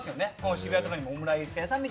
渋谷とかにもオムライス屋さんとか。